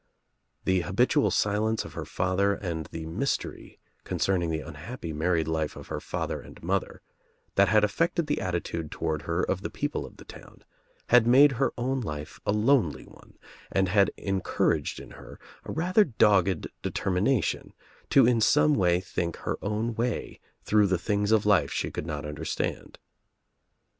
The habitual silence of her father and the mystery concerning the unhappy married life of her father and mother, that had af fected the attitude toward her of the people of the |town, had made her own life a lonely one and had 70 THE TRIUMPH OF THE EGG encouraged in her a rather dogged determination to in some way think her own way through the things of life she could not understand.